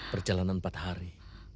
perjalanan empat hari